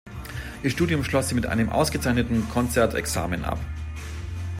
Ihr Studium schloss sie mit einem ausgezeichneten Konzertexamen ab.